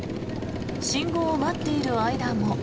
信号を待っている間も。